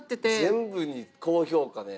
全部に高評価で。